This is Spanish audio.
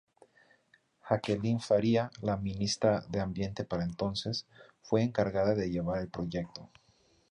Jacqueline Faría, la ministra de ambiente para entonces, fue encargada de llevar el proyecto.